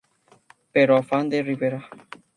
Pero Afán de Ribera".